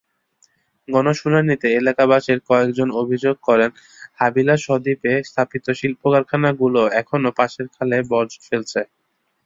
গণশুনানিতে এলাকাবাসীর কয়েকজন অভিযোগ করেন, হাবিলাসদ্বীপে স্থাপিত শিল্পকারখানাগুলো এখনো পাশের খালে বর্জ্য ফেলছে।